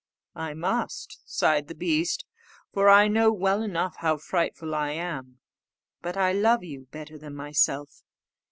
"I must," sighed the beast, "for I know well enough how frightful I am; but I love you better than myself.